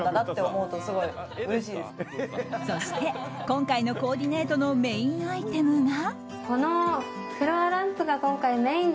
そして今回のコーディネートのメインアイテムが。